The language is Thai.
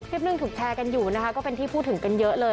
หนึ่งถูกแชร์กันอยู่นะคะก็เป็นที่พูดถึงกันเยอะเลย